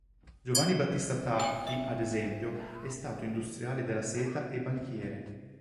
Giovanni Battista Tacchi, ad esempio, è stato industriale della seta e banchiere.